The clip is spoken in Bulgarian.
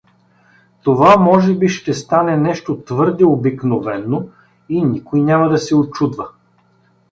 Това може би ще стане нещо твърде обикновено и никой няма да се учудва.